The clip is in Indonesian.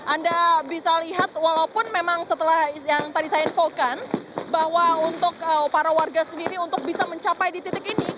anda bisa lihat walaupun memang setelah yang tadi saya infokan bahwa untuk para warga sendiri untuk bisa mencapai di titik ini